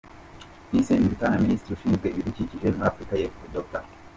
Vincent Biruta na Minisitiri ushinzwe ibidukikije muri Afurika y’Epfo, Dr.